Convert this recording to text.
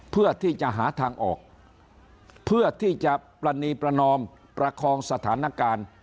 เพื่อที่จะหาทางออกเพื่อที่จะปรณีประนอมประคองสถานการณ์